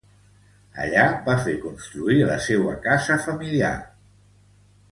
Allí va fer construir la seua casa familiar.